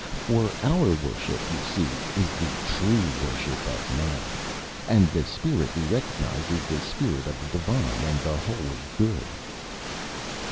For our worship, you see, is the true worship of Man. And the spirit we recognize is the spirit of the divine and holy Good."